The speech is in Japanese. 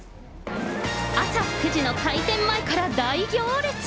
朝９時の開店前から大行列。